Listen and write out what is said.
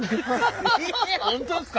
本当ですか？